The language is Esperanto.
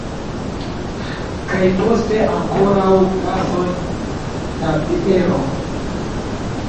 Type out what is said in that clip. Kaj poste ankoraŭ glason da biero!